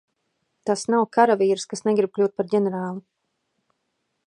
Tas nav karavīrs, kas negrib kļūt par ģenerāli.